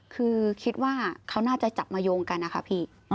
คือคิดว่าเขาน่าจะจับมาโยงกันนะคะพี่